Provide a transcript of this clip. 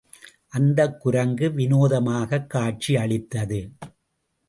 அந்தக் குரங்கு விநோதமாகக் காட்சி அளித்தது.